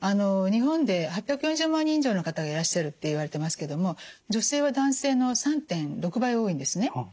日本で８４０万人以上の方がいらっしゃるっていわれてますけれども女性は男性の３．６倍多いんですね。